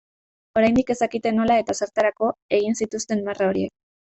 Oraindik ez dakite nola eta zertarako egin zituzten marra horiek.